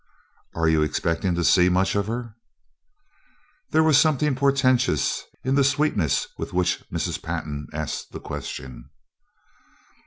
"Are you expecting to see much of her?" There was something portentous in the sweetness with which Mrs. Pantin asked the question.